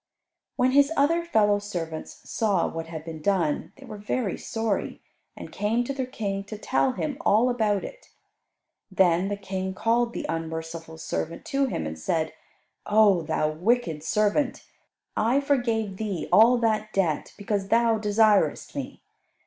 When his other fellow servants saw what had been done they were very sorry, and came to their King to tell him all about it. Then the King called the unmerciful servant to him, and said, "O thou wicked servant; I forgave thee all that debt, because thou desiredst me.